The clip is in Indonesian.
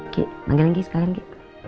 ki panggilin ki sekalian ki